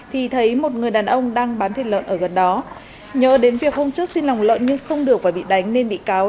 thì thấy một người đàn ông đang bán thịt lợn ở gần đó nhớ đến việc hôm trước xin lòng lợn nhưng không được và bị đánh nên bị cáo